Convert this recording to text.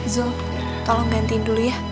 zul tolong gantiin dulu ya